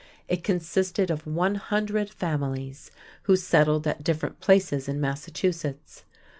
It consisted of one hundred families, who settled at different places in Massachusetts.